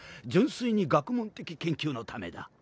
純粋に学問的研究のためだ